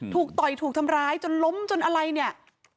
ต่อยถูกทำร้ายจนล้มจนอะไรเนี่ย